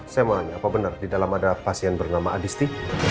saya mau nanya apa benar di dalam ada pasien bernama adisti